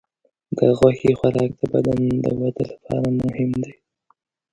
د غوښې خوراک د بدن د وده لپاره مهم دی.